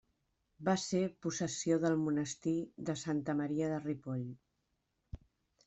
Va ser possessió del monestir de Santa Maria de Ripoll.